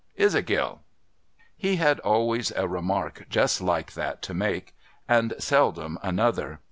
Is it, Gill ?' He had always a remark just like that to make, and seldom another.